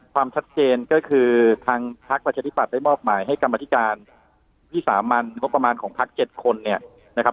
ความชัดเจนก็คือทางพลักษณ์ประชาธิปัตย์ได้มอบหมายให้กรรมอธิการที่๓มันงบประมาณของพลักษณ์๗คน